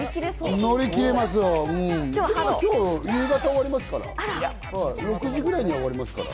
でも今日は夕方、終わりますから。